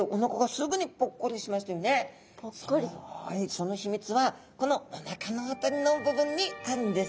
その秘密はこのおなかの辺りの部分にあるんです。